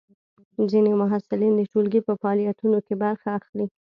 ځینې محصلین د ټولګي په فعالیتونو کې برخه اخلي.